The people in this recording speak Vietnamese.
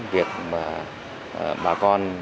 việc bà con